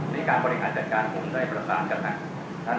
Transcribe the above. ในการบริการจัดการคงได้รับผลสารกับท่าน